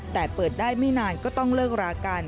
แต่เปิดได้ไม่นานก็ต้องเลิกรากัน